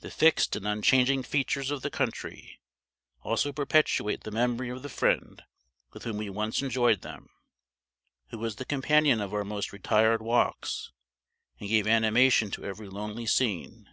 The fixed and unchanging features of the country also perpetuate the memory of the friend with whom we once enjoyed them, who was the companion of our most retired walks, and gave animation to every lonely scene.